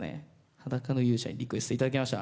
「裸の勇者」にリクエストいただきました